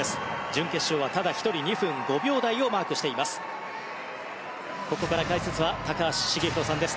準決勝はただ１人２分５秒台をマークしています。